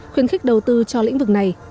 khuyến khích đầu tư cho lĩnh vực này